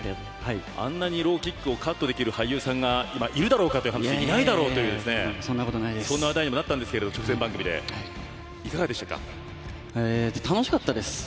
あんなにローキックをカットできる俳優さんがいるだろうかという話でいないだろうというそんな話題にも直前番組ではなりましたが楽しかったです。